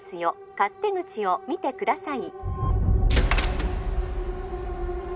勝手口を見てください